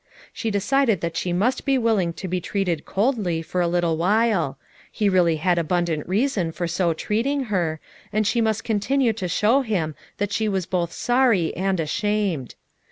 She decided that she must be willing to be treated * coldly FOUR MOTHERS AT CHAUTAUQUA 209 for a little while; he really had abundant rea son for so treating her, and she must continue to show him that she was both sorry and ashamed.